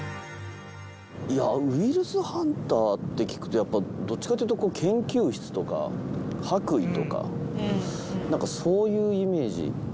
いや、ウイルスハンターって聞くと、やっぱりどっちかっていうと研究室とか、白衣とか、なんかそういうイメージ。